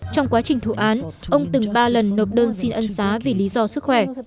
trong quá trình thụ án ông từng ba lần nộp đơn xin ân xá vì lý do sức khỏe